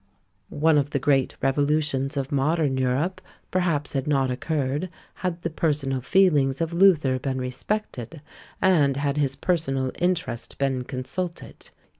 One of the great revolutions of Modern Europe perhaps had not occurred, had the personal feelings of Luther been respected, and had his personal interest been consulted.